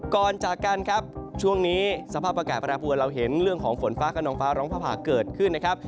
ก่อนจากกันครับช่วงนี้สภาพอากาศแปรปวนเราเห็นเรื่องของฝนฟ้ากระนองฟ้าร้องฟ้าผ่าเกิดขึ้นนะครับ